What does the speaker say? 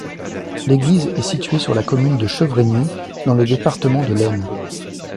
L'église est située sur la commune de Chevregny, dans le département de l'Aisne.